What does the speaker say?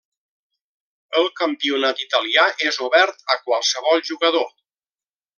El campionat italià és obert a qualsevol jugador.